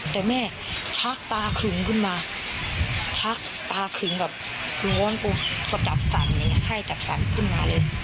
แต่แม่ชักตาขึงขึ้นมาชักตาขึงแบบร้อนปูสับสั่นอย่างนี้ไข้จัดสรรขึ้นมาเลย